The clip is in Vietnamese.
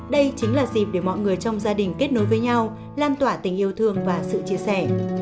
đây chính là dịp để mọi người trong gia đình kết nối với nhau lan tỏa tình yêu thương và sự chia sẻ